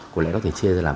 có lẽ có thể chia ra làm